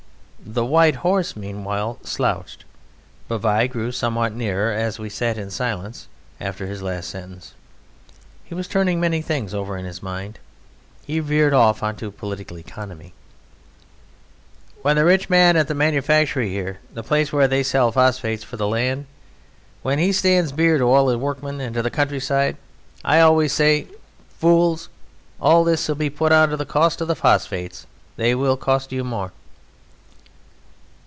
The white horse meanwhile slouched; Bavai grew somewhat nearer as we sat in silence after his last sentence. He was turning many things over in his mind. He veered off on to political economy. "When the rich man at the Manufactory here, the place where they sell phosphates for the land, when he stands beer to all the workmen and to the countryside, I always say, 'Fools! All this will be put on to the cost of the phosphates; they will cost you more!'"